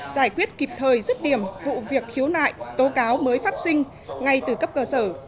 giải quyết kịp thời rứt điểm vụ việc khiếu nại tố cáo mới phát sinh ngay từ cấp cơ sở